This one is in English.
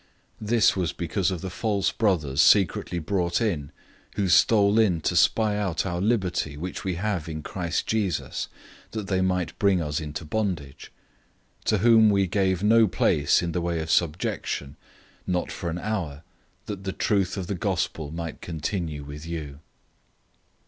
002:004 This was because of the false brothers secretly brought in, who stole in to spy out our liberty which we have in Christ Jesus, that they might bring us into bondage; 002:005 to whom we gave no place in the way of subjection, not for an hour, that the truth of the Good News might continue with you.